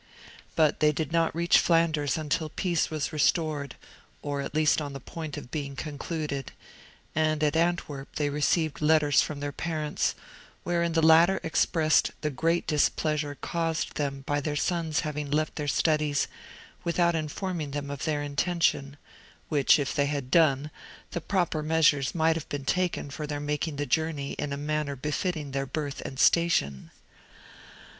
But they did not reach Flanders until peace was restored, or at least on the point of being concluded; and at Antwerp they received letters from their parents, wherein the latter expressed the great displeasure caused them by their sons having left their studies without informing them of their intention, which if they had done, the proper measures might have been taken for their making the journey in a manner befitting their birth and station.